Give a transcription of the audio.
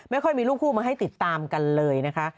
ไม่ค่อยมีลูกคู่มาให้ติดตามกันเลยนะคะ